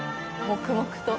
黙々と。